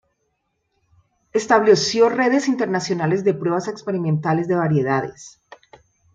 Estableció redes internacionales de pruebas experimentales de variedades.